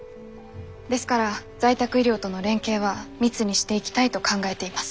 ですから在宅医療との連携は密にしていきたいと考えています。